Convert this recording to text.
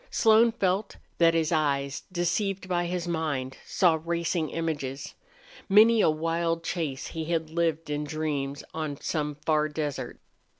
Slone felt that his eyes, deceived by his mind, saw racing images. Many a wild chase he had lived in dreams on some far desert.